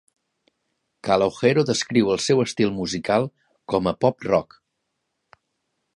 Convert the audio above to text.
Calogero descriu el seu estil musical com a pop rock.